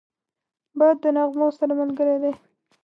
باد د نغمو سره ملګری دی